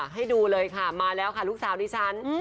ให้ดูเลยค่ะมาแล้วค่ะลูกสาวดิฉัน